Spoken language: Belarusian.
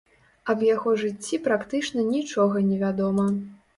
Аб яго жыцці практычна нічога невядома.